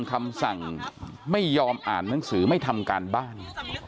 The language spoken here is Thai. คำสั่งไม่ยอมอ่านหนังสือไม่ทำการบ้าน